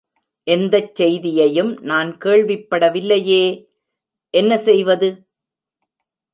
எந்தச் செய்தியையும் நான் கேள்விப்படவில்லையே? என்ன செய்வது?